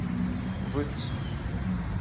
Vyds.